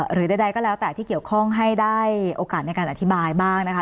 หรือใดก็แล้วแต่ที่เกี่ยวข้องให้ได้โอกาสในการอธิบายบ้างนะคะ